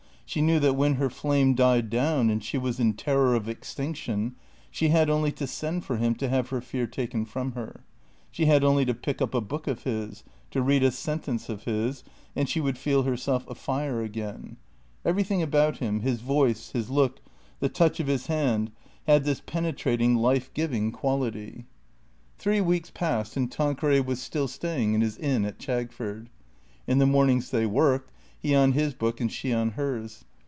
She knew that when her flame died down and she was in terror of extinction, she had only to send for him to have her fear taken from her. She had only to pick up a book of his, to read a sentence of his, and she would feel herself afire again. Everything about him, his voice, his look, the touch of his hand, had this penetrating, life giving quality. 467 468 THE CREATORS Three weeks passed and Tanqueray was still staying in his inn at Chagford. In the mornings they worked, he on his book and she on hers.